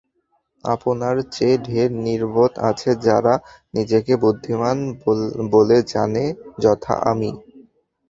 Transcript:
আপনার চেয়ে ঢের নির্বোধ আছে যারা নিজেকে বুদ্ধিমান বলে জানে– যথা আমি।